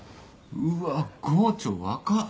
うわっ郷長若っ！